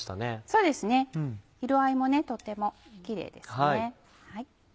そうですね色合いもとてもキレイですね。